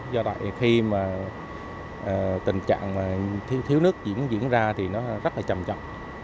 do vậy khi tình trạng thiếu nước diễn ra thì nó rất là chậm chậm